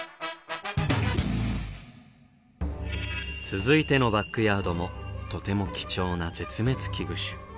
続いてのバックヤードもとても貴重な絶滅危惧種。